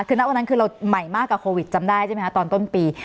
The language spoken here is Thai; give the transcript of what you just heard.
คือณวันนั้นคือเราใหม่มากกว่าโควิดจำได้ใช่ไหมคะตอนต้นปี